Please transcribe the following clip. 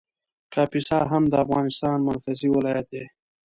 کاپیسا هم د افغانستان مرکزي ولایت دی